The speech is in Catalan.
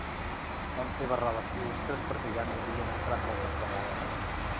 Vam fer barrar les finestres perquè ja ens havien entrat moltes vegades.